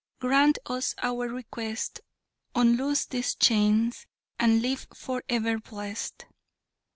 Grant us our request, Unloose these chains, and live for ever blest!"